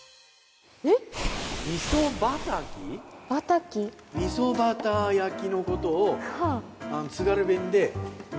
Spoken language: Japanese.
味噌バター焼きのことを津軽弁で。